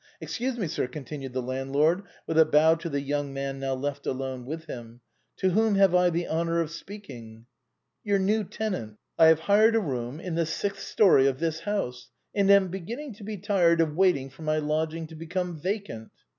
" Excuse mC;, sir," continued the landlord, with a bow to the young man now left alone with him ;" to whom have have I the honor of speaking ?"" Your new tenant. I have hired a room in the sixth story of this house, and am beginning to be tired of waiting for my lodging to become vacant."